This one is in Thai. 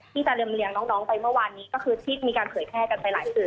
ที่จะลำเลียงน้องไปเมื่อวานนี้ก็คือที่มีการเผยแพร่กันไปหลายสื่อ